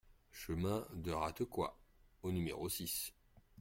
Chemin de Ratequats au numéro six